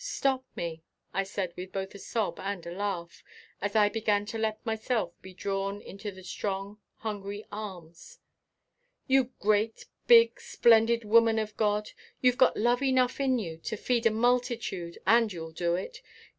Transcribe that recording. Stop me!" I said with both a sob and a laugh, as I began to let myself be drawn into the strong, hungry arms. "You great, big, splendid woman of God! You've got love enough in you to feed a multitude and you'll do it.